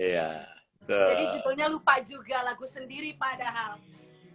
jadi judulnya lupa juga lagu sendiri padahal